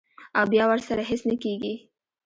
او بیا ورسره هېڅ نۀ کيږي -